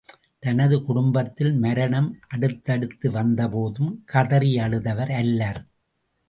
தனது குடும்பத்தில் மரணம் அடுத்தடுத்து வந்த போதும் கதறியழுதவர் அல்லர்.